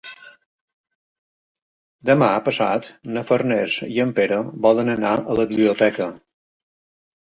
Demà passat na Farners i en Pere volen anar a la biblioteca.